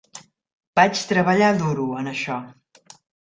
Vaig treballar duro en això!